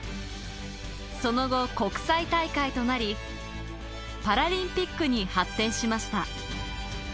その後、国際大会となり、パラリンピックに発展しました。